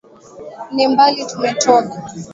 Ni mbali tumetoka